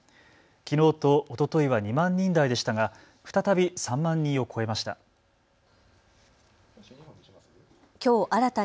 きのうとおとといは２万人台でしたが再び３万人を超えました。